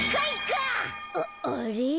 ああれ？